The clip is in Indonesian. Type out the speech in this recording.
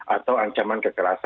atau ancaman kekerasan